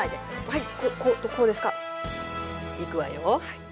はい。